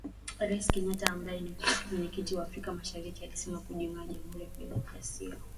Rais Kenyatta ambaye ni Mwenyekiti wa afrika mashariki alisema kujiunga kwa Jamuhuri ya Demokrasia ya Kongo